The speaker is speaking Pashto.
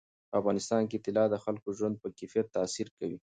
په افغانستان کې طلا د خلکو د ژوند په کیفیت تاثیر کوي.